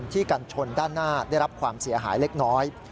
กันชนด้านหน้าได้รับความเสียหายเล็กน้อย